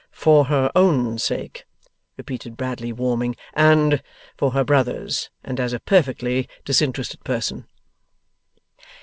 'For her own sake,' repeated Bradley, warming, 'and for her brother's, and as a perfectly disinterested person.